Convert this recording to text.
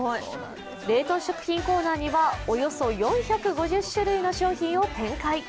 冷凍食品コーナーにはおよそ４５０種類の商品を展開。